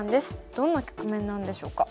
どんな局面なんでしょうか。